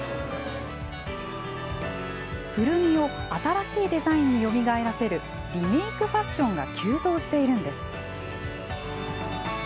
古着を新しいデザインに蘇らせるリメイクファッションが急増しているのです。